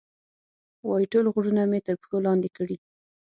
وایي، ټول غرونه مې تر پښو لاندې کړي.